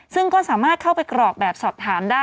ซึ่งก็สามารถเข้าไปกรอกแบบสอบถามได้